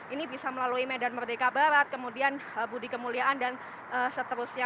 ini bisa melalui medan merdeka barat kemudian budi kemuliaan dan seterusnya